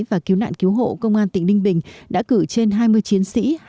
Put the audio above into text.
và cứu nạn cứu hộ công an tỉnh ninh bình đã cử trên hai mươi chiến sĩ